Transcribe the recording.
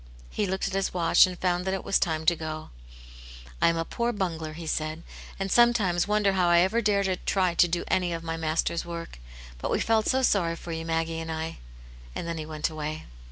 He looked at his watch, and found that it was time to go. I am a poor bungler," he said, " and sometimes wonder how I ever dare to try to do any of my Master's work. But we felt so sorry for you, Maggie and I." And then he went away.